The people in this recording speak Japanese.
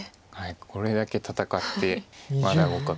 これだけ戦ってまだ互角。